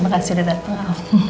makasih udah dateng